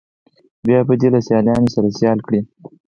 بیا به دې له سیالانو سره سیال کړي.